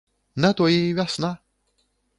На тое і вясна.